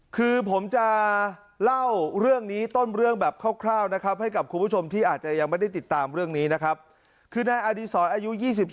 คือผมจะเล่าเรื่องนี้ต้นเรื่องแบบคร่าวนะครับให้กับคุณผู้ชมที่อาจจะยังไม่ได้ติดตามเรื่องนี้นะครับคือนายอดีศรอายุ๒๒